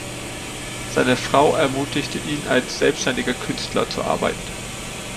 Seine Frau ermutigte ihn, als selbständiger Künstler zu arbeiten.